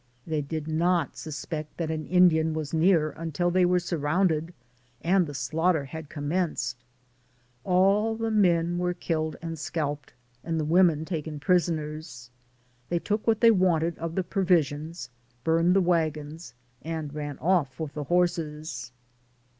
They did not suspect that an Indian was near until they were surrounded, and the slaughter had commenced. All the men were killed and scalped, and the women taken DAYS ON THE ROAD. 87 prisoners. They took what they wanted of the provisions, burned the wagons and ran off with the horses.